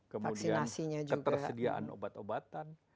kemudian ketersediaan obat obatan